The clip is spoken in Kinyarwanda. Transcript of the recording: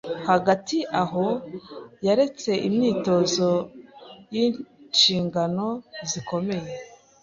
Hagati aho yaretse imyitozo yinshingano zikomeye